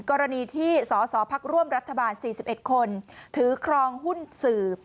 กรณีที่สสพักร่วมรัฐบาล๔๑คนถือครองหุ้นสื่อ